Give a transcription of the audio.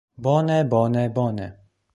Bone, bone, bone...